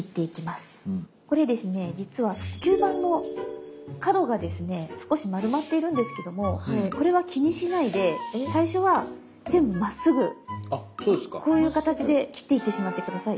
これですね実は吸盤の角がですね少し丸まっているんですけどもこれは気にしないで最初は全部まっすぐこういう形で切っていってしまって下さい。